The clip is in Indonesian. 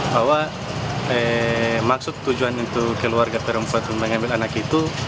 bahwa maksud tujuan untuk keluarga perempuan mengambil anak itu